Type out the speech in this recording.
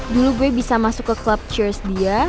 dulu gue bisa masuk ke club cheers dia